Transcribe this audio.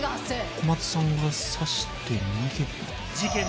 小松さんが刺して逃げた？